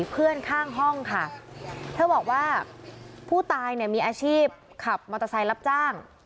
เพื่อนข้างห้องค่ะเธอบอกว่าผู้ตายเนี่ยมีอาชีพขับมอเตอร์ไซค์รับจ้าง